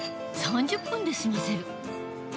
３０分で済ませる。